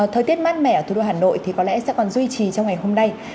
thời tiết mát mẻ ở thủ đô hà nội thì có lẽ sẽ còn duy trì trong ngày hôm nay